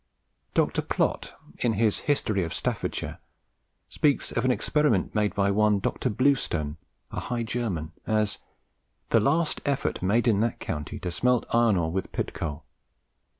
Dr. Plot, in his 'History of Staffordshire,' speaks of an experiment made by one Dr. Blewstone, a High German, as "the last effort" made in that county to smelt iron ore with pit coal.